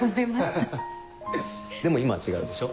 ハハハでも今は違うでしょ？